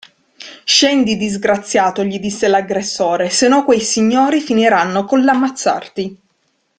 Scendi disgraziato gli disse l'aggressore se no quei signori finiranno coll'ammazzarti.